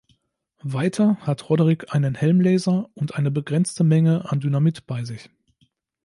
Weiter hat Roderick einen Helm-Laser und eine begrenzte Menge an Dynamit bei sich.